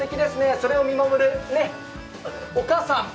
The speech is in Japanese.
それを見守るお母さん。